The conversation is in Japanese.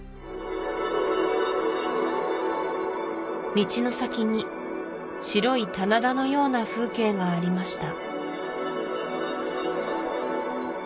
道の先に白い棚田のような風景がありました